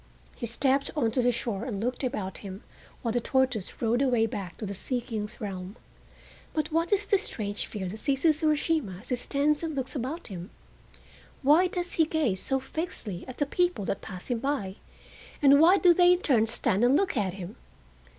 He stepped on to the shore and looked about him while the tortoise rode away back to the Sea King's realm. But what is the strange fear that seizes Urashima as he stands and looks about him? Why does he gaze so fixedly at the people that pass him by, and why do they in turn stand and look at him?